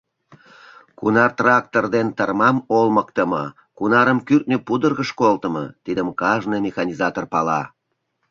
Кунар трактор ден тырмам олмыктымо, кунарым кӱртньӧ пудыргыш колтымо — тидым кажне механизатор пала.